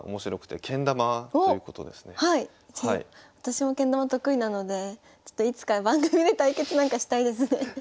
私もけん玉得意なのでちょっといつか番組で対決なんかしたいですね。